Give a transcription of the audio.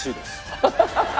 ハハハハ！